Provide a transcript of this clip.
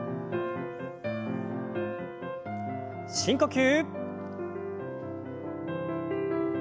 深呼吸。